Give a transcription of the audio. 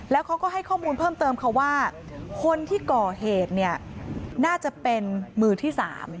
แล้วเขาก็ให้ข้อมูลเพิ่มเติมค่ะว่าคนที่ก่อเหตุเนี่ยน่าจะเป็นมือที่๓